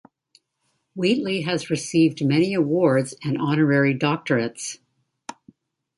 Wheatley has received many awards and honorary doctorates.